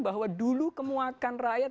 bahwa dulu kemuakan rakyat